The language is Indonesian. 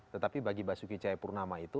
tetapi bagi basuki cahayapurnama itu